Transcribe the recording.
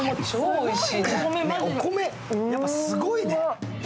お米、やっぱすごいね。